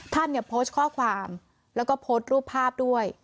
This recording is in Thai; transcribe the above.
ท่านเนี่ยโพสต์ข้อความแล้วก็โพสต์รูปภาพด้วย